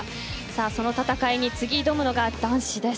その戦いに次、挑むのが男子です。